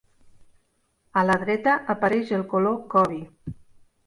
A la dreta apareix el color kobi.